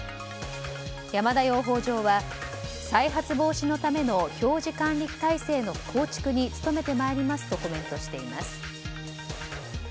山田養蜂場は再発防止のための表示管理体制の構築に努めてまいりますとコメントしています。